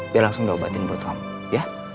biar langsung diobatin pelut kamu ya